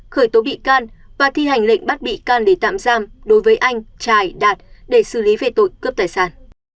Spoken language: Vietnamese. khởi tố bị can và thi hành lệnh bắt bị can để tạm giam đối với anh trài đạt để xử lý về tội cướp tài sản